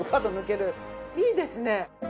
いいですね。